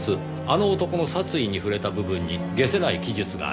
あの男の殺意に触れた部分に解せない記述がありました。